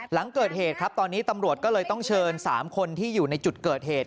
หลังเกิดเหตุครับตอนนี้ตำรวจก็เลยต้องเชิญ๓คนที่อยู่ในจุดเกิดเหตุ